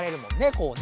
こうね